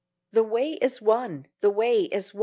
The way is won! The way is won!